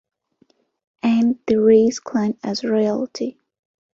And the Reyes Clan as Royalty.